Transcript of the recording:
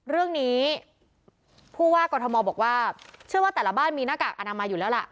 เรื่องนี้ผู้ว่ากรทมบอกว่าเชื่อว่าแต่ละบ้านมีหน้ากากอนามัยอยู่แล้วล่ะ